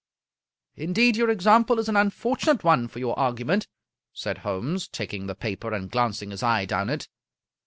" Indeed your example is an unfortunate one for your argument," said Holmes, taking the paper, and glancing his eye down it.